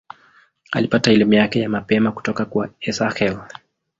Alipata elimu yake ya mapema kutoka kwa Esakhel.